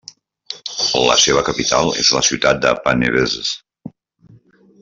La seva capital és la ciutat de Panevėžys.